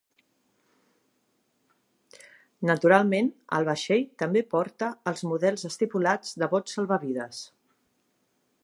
Naturalment, el vaixell també porta els models estipulats de bots salvavides.